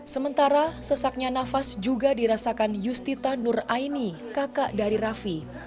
sementara sesaknya nafas juga dirasakan yustita nur aini kakak dari raffi